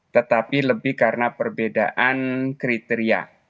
tetapi lebih karena perbedaan kriteria